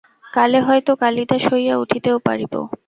কালে হয়তো কালিদাস হইয়া উঠিতেও পারিব।